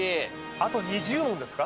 あと２０問ですか？